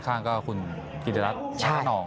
ข้างก็คุณกิจรักษ์น้อง